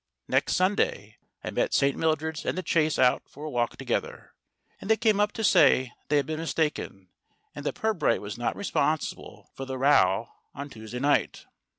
Next Sunday I met St. Mildred's and The Chase out for a walk together, and they came up to say that they had been mistaken, and that Pirbright was not re sponsible for the row on Tuesday night.